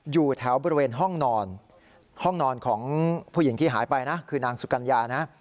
อยู่แถวบริเวณห้องนอนห้องนอนของผู้หญิงที่หายไปนะคือนางสุกัญญานะ